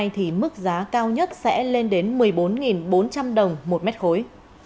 thì mức giá cao nhất sẽ lên đến một mươi bốn bốn trăm linh đồng một mét khối